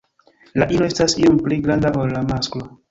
La ino estas iom pli granda ol la masklo.